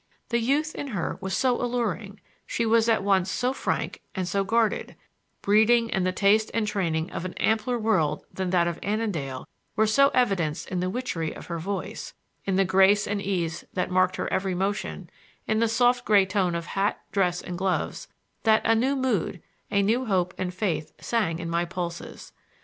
The youth in her was so luring; she was at once so frank and so guarded,—breeding and the taste and training of an ampler world than that of Annandale were so evidenced in the witchery of her voice, in the grace and ease that marked her every motion, in the soft gray tone of hat, dress and gloves, that a new mood, a new hope and faith sang in my pulses.